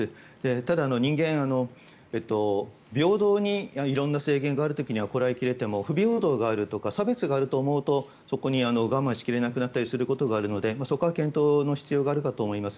ただ、人間平等だと思えばこらえ切れても不平等があるとか差別があると思うとそこで我慢しきれなくなったりすることがあるのでそこは検討する必要があると思います。